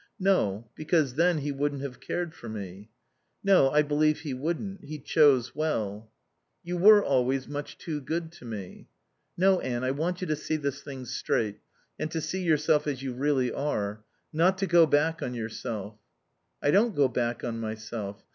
"No. Because then he wouldn't have cared for me." "No, I believe he wouldn't. He chose well." "You were always much too good to me." "No, Anne. I want you to see this thing straight, and to see yourself as you really are. Not to go back on yourself." "I don't go back on myself.